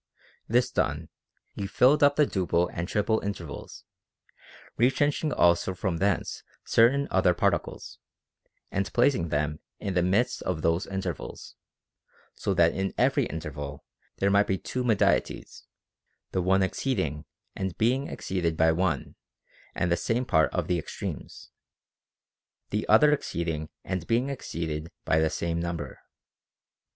This done, he filled up the duple and triple intervals, retrenching also from thence certain other particles, and placing them in the midst of those intervals ; so that in every interval 360 OF THE PROCREATION OF THE SOUL. there might be two medieties, the one exceeding and being exceeded by one and the same part of the extremes, the other exceeding and being exceeded by the same number.